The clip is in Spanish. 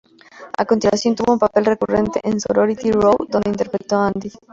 A continuación tuvo un papel recurrente en "Sorority Row", donde interpretó a Andy.